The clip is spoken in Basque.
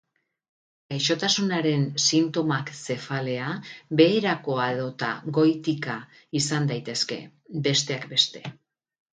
Gaixotasunaren sintomak zefalea, beherakoa edota goitika izan daitezke, besteak beste.